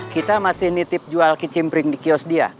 kita masih nitip jual kicimpring di kios dia